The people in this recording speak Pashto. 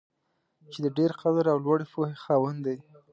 چې د ډېر قدر او لوړې پوهې خاوند دی.